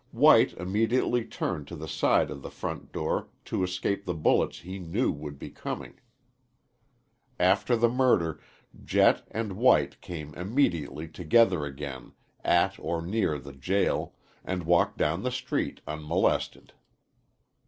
White immediately turned to the side of the front door to escape the bullets he knew would be coming. After the murder Jett and White came immediately together again at or near the jail and walked down the street unmolested.